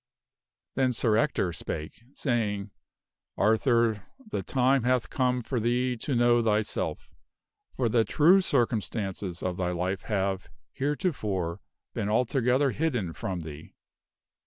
Then Sir Ector spake, saying, " Arthur, the time hath come for thee to know thyself, for the true circumstances of thy life have, heretofore, been altogether hidden from thee.